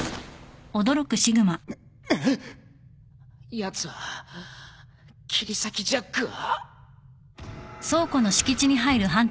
やつは切り裂きジャックは。